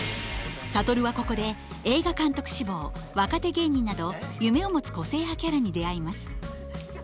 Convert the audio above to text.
諭はここで映画監督志望若手芸人など夢を持つ個性派キャラに出会います。